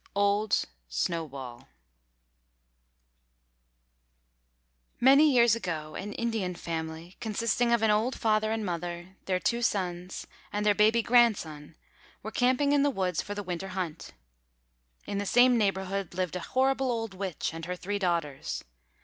OLD SNOWBALL Many years ago an Indian family, consisting of an old father and mother, their two sons, and their baby grandson were camping in the woods for the winter hunt. In the same neighborhood lived a horrible old witch and her three daughters.